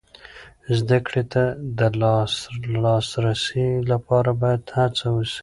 زده کړې ته د لاسرسي لپاره باید هڅه وسي.